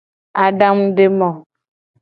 Adangudemo.